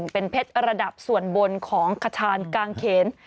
เป็นเพชรระดับส่วนบนของขชานกางเขน